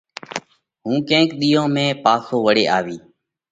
هُون ڪينڪ ۮِيئون ۾ پاسو وۯي آوِيه۔”